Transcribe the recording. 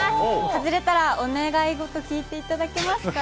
外れたら、お願いごと聞いていただけますか？